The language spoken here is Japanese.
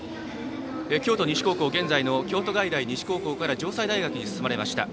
京都西高校現在の京都外大西高校から城西大学に進まれました。